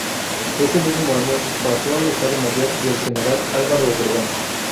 Ese mismo año pasó al Estado Mayor del general Álvaro Obregón.